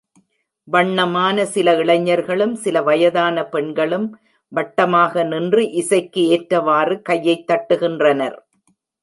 வண்ணமான சில இளைஞர்களும் சில வயதான பெண்களும் வட்டமாக நின்று இசைக்கு ஏற்றவாறு கையைத் தட்டுகின்றனர்.